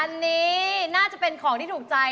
อันนี้น่าจะเป็นของที่ถูกใจ